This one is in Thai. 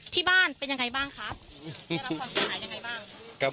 ที่บ้านเป็นยังไงบ้างครับได้รับความเสียหายยังไงบ้าง